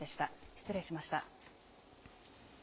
失礼しました。